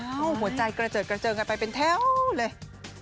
หัวใจกระเจิดกระเจิงกันไปเป็นแถวเลย